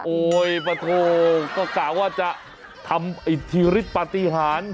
โอ๊ยประโทษก็กลับว่าจะทำอิทธิริตปฏิหาร